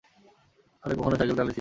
আরে কখনো সাইকেল চালাইছিস?